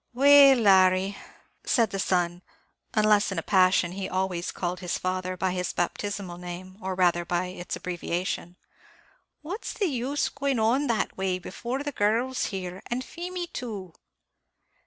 "Well, Larry," said the son (unless in a passion, he always called his father by his baptismal name, or rather by its abbreviation), "what's the use going on that way before the girls there, and Feemy too."